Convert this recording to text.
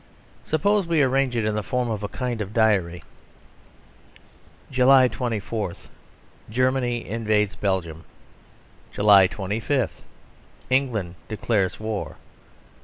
Suppose we arrange it in the form of a kind of diary. July 24. Germany invades Belgium. July 25. England declares war.